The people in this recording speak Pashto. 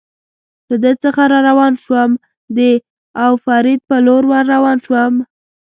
له ده څخه را روان شوم، د او فرید په لور ور روان شوم.